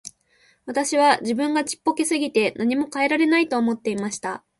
私は自分がちっぽけすぎて何も変えられないと思っていました。